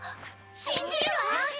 信じるわ！